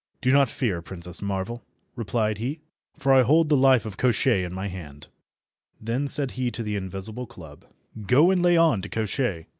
"Do not fear, Princess Marvel," replied he, "for I hold the life of Koshchei in my hand." Then said he to the invisible club— "Go, and lay on to Koshchei."